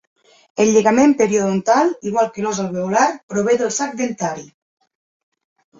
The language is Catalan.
El lligament periodontal, igual que l'os alveolar, prové del sac dentari.